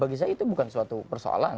bagi saya itu bukan suatu persoalan